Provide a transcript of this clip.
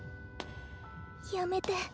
やめて。